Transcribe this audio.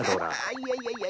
いやいやいや。